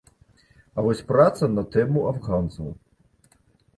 А вось праца на тэму афганцаў.